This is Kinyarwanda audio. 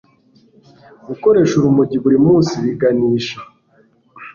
Gukoresha urumogi buri munsi biganisha